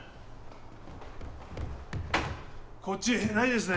こっちないですね。